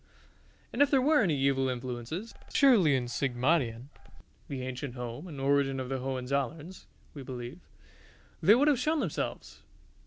And if there were any evil influences, surely at Sigmaringen (the ancient home and origin of the Hohenzollerns, we believe) they would have shown themselves.